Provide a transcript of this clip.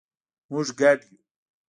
مونږ ګډ یو